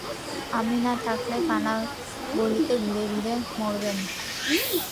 আমি না থাকলে কানাগলিতে ঘুরে ঘুরে মরবেন।